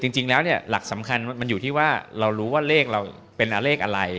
จริงแล้วเนี่ยหลักสำคัญมันอยู่ที่ว่าเรารู้ว่าเลขเราเป็นเลขอะไร